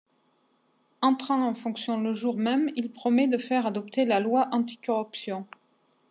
Entrant en fonction le jour même, il promet de faire adopter la loi anti-corruption.